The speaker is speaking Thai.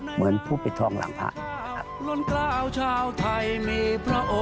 เหมือนผู้ปิดทองหลังพระ